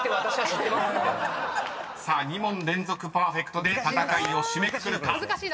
［さあ２問連続パーフェクトで戦いを締めくくるか］